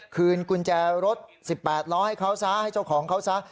คืนกุญแจรถ๑๘ล้อให้เขาซะให้เจ้าของเขาซะ